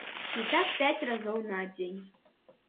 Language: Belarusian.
І так пяць разоў на дзень.